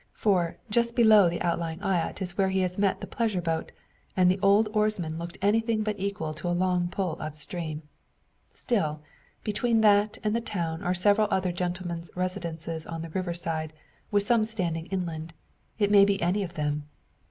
For, just below the outlying eyot is where he has met the pleasure boat, and the old oarsman looked anything but equal to a long pull up stream. Still, between that and the town are several other gentlemen's residences on the river side, with some standing inland. It may be any of them.